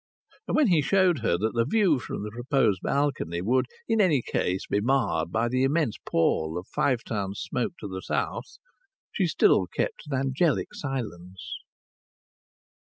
And when he showed her that the view from the proposed balcony would in any case be marred by the immense pall of Five Towns smoke to the south, she still kept an angelic silence.